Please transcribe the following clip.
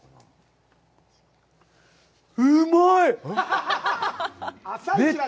うまいっ！